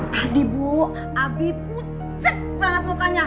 tadi bu abi putus banget mukanya